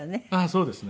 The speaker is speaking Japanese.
そうですね。